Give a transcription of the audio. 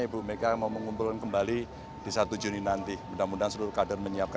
ibu mega mau mengumpulkan kembali di satu juni nanti mudah mudahan seluruh kader menyiapkan